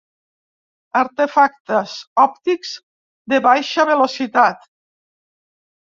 Artefactes òptics de baixa velocitat.